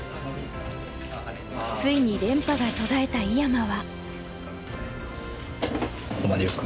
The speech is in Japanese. ついに連覇が途絶えた井山は。